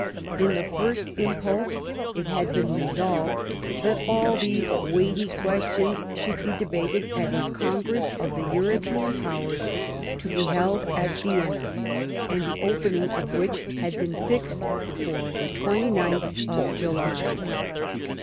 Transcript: In the first impulse it had been resolved that all these weighty questions should be debated at a Congress of the European Powers, to be held at Vienna, and the opening of which had been fixed for the 29th of July.